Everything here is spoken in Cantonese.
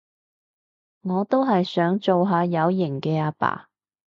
我都係想做下有型嘅阿爸